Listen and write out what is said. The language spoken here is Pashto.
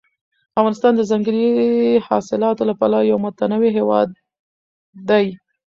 افغانستان د ځنګلي حاصلاتو له پلوه یو متنوع هېواد دی.